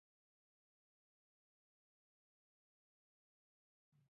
د ګلونو موسم تېر شوی وي